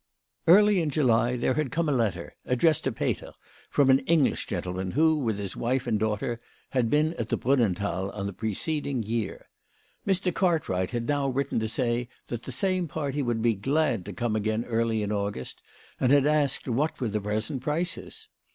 Early in July there had come a letter, addressed to Peter, from an English gentleman who, with his wife WHY FRAU FROHMANN RAISED HER PRICES. 43 and daughter, had been at the Brunnenthal on the preceding year. Mr. Cartwright had now written to say, that the same party would be glad to come again early in August, and had asked what were the present prices.